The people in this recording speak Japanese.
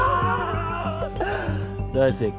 大成功！